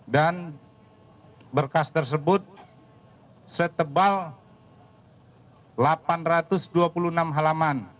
dan berkas tersebut setebal delapan ratus dua puluh enam halaman